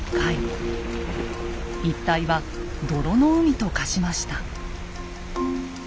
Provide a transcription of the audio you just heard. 一帯は「泥の海」と化しました。